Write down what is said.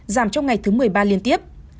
giảm trong ngày thứ một mươi ba liên tiếp